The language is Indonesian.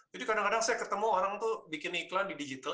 jadi kadang kadang saya ketemu orang tuh bikin iklan di digital